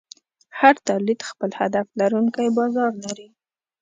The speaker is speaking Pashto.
هر تولید خپل هدف لرونکی بازار لري.